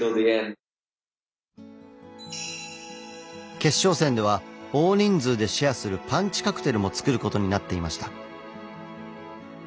決勝戦では大人数でシェアするパンチカクテルも作ることになっていました。